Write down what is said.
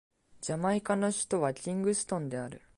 ジャマイカの首都はキングストンである